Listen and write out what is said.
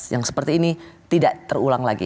yang seperti ini tidak terulang lagi